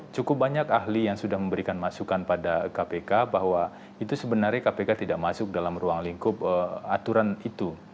cukup banyak ahli yang sudah memberikan masukan pada kpk bahwa itu sebenarnya kpk tidak masuk dalam ruang lingkup aturan itu